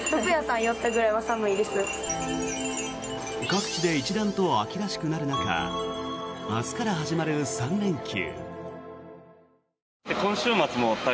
各地で一段と秋らしくなる中明日から始まる３連休。